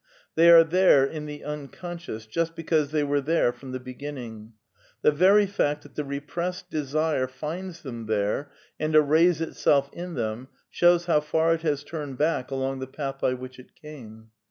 ® They are there, in the Unconscious, just because they were there from the beginning. The very fact that the repressed desire finds them there and arrays itself in them shows how far it has turned back along the path by which it came.